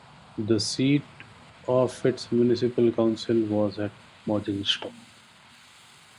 The seat of its municipal council was at Mogenstrup.